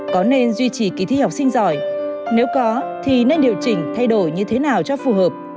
có nên duy trì kỳ thi học sinh giỏi nếu có thì nên điều chỉnh thay đổi như thế nào cho phù hợp